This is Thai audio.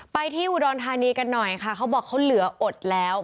ไปที่อุดรธานีกันหน่อยค่ะเขาบอกเขาเหลืออดแล้ว